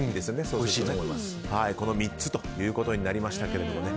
この３つということになりましたけれどもね。